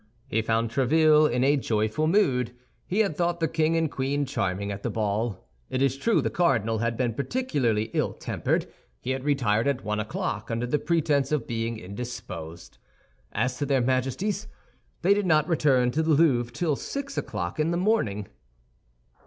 He found Tréville in a joyful mood. He had thought the king and queen charming at the ball. It is true the cardinal had been particularly ill tempered. He had retired at one o'clock under the pretense of being indisposed. As to their Majesties, they did not return to the Louvre till six o'clock in the morning.